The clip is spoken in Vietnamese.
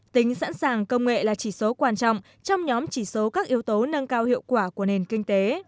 tính sẵn sàng công nghệ là chỉ số quan trọng trong nhóm chỉ số các yếu tố nâng cao hiệu quả của nền kinh tế